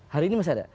hari ini masih ada